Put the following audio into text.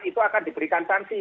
itu akan diberikan sanksi